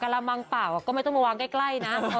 กรมวังส่าวก็ไม่ต้องมาวางใกล้